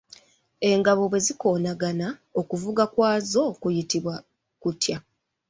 Engabo bwe zikoonagana, okuvuga kwazo kuyitibwa kutya?